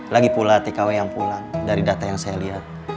lagi pula tkw yang pulang dari data yang saya lihat